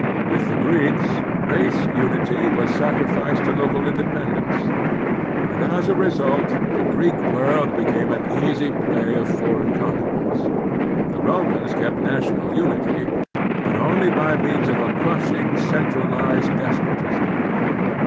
With the Greeks race tmity was sacrificed to local independence, and a& k result the Greek world became the easy prey of foreign 238 The Strenuous Life conquerors. The Romans kept national tinity, but only by means of a crushing centralized des potism.